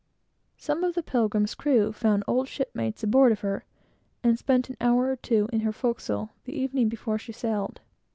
Some of the Pilgrim's crew found old ship mates aboard of her, and spent an hour or two in her forecastle, the evening before she sailed.